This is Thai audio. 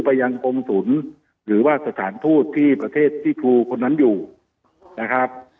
ยังกงศูนย์หรือว่าสถานทูตที่ประเทศที่ครูคนนั้นอยู่นะครับ